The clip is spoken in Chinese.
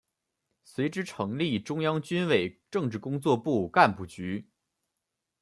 随之成立中央军委政治工作部干部局。